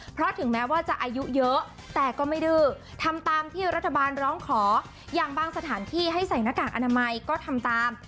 เพราะถึงแม้ว่าจะอายุเยอะแต่ก็ไม่ดื้อทำตามที่รัฐบาลร้องขออย่างบางสถานที่ให้ใส่หน้ากากอนามัยก็ทำตาม